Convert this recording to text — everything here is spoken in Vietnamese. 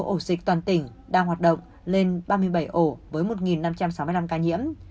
ổ dịch toàn tỉnh đang hoạt động lên ba mươi bảy ổ với một năm trăm sáu mươi năm ca nhiễm